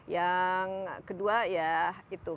yang kedua ya itu